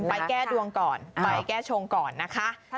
ไปแก้ดวงก่อนไปแก้ชงก่อนนะคะ